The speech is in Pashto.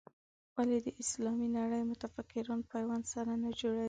ولې د اسلامي نړۍ متفکران پیوند سره نه جوړوي.